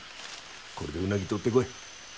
これでうなぎとってこい。